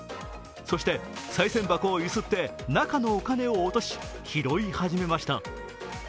そして、さい銭箱を揺すって中のお金を落とし拾い始めました。